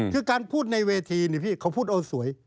คือการพูดในเวทีนี่พี่เขาพูดเอาสวย